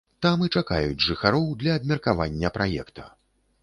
Там і чакаюць жыхароў для абмеркавання праекта.